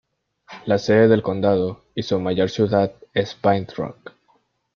La sede del condado y su mayor ciudad es Paint Rock.